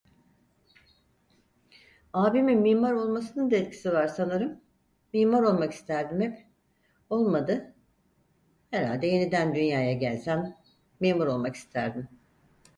Abimin mimar olmasının da etkisi var sanırım, mimar olmak isterdim hep. Olmadı... Herhalde yeniden dünyaya gelsem, mimar olmak isterdim...